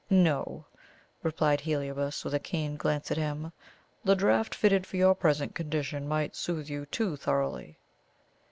"No," replied Heliobas, with a keen glance at him; "the draught fitted for your present condition might soothe you too thoroughly."